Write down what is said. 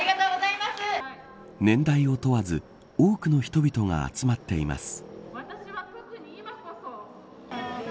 年代を問わず多くの人々が集まっています。